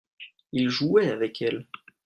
il jouait avec elle.